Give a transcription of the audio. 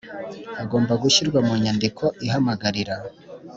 agomba gushyirwa mu nyandiko ihamagarira